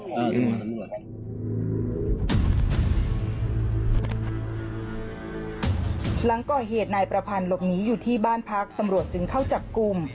หลังก่อเหตุนายประพันธ์หลบหนีอยู่ที่บ้านพักตำรวจจึงเข้าจับกลุ่ม